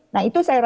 nah itu saya rasa